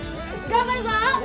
頑張るぞ！